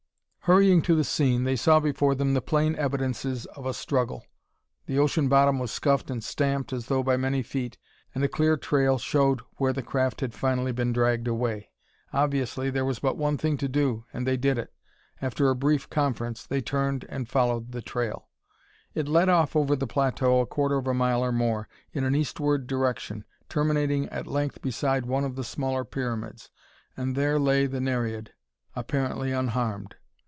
Hurrying to the scene, they saw before them the plain evidences of a struggle. The ocean bottom was scuffed and stamped, as though by many feet, and a clear trail showed where the craft had finally been dragged away. Obviously there was but one thing to do and they did it. After a brief conference, they turned and followed the trail. It led off over the plateau a quarter mile or more, in an eastward direction, terminating at length beside one of the smaller pyramids and there lay the Nereid, apparently unharmed.